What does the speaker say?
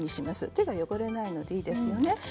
手が汚れないのでいいですよね。